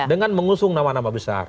dengan mengusung nama nama besar